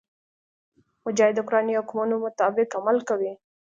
مجاهد د قرآني حکمونو مطابق عمل کوي.